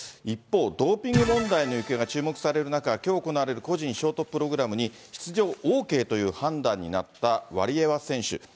一方、ドーピング問題の行方が注目される中、きょう行われる個人ショートプログラムに出場ＯＫという判断になったワリエワ選手。